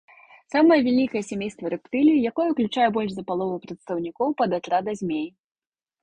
Самае вялікае сямейства рэптылій, якое ўключае больш за палову прадстаўнікоў падатрада змей.